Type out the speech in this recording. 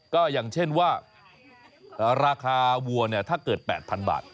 ก็อย่างเช่นว่าราคาวัวเนี่ยถ้าเกิด๘๐๐๐บาท